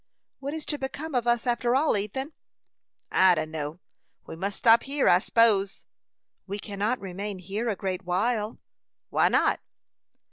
"What is to become of us, after all, Ethan?" "I dunno; we must stop hyer, I s'pose." "We cannot remain here a great while." "Why not?"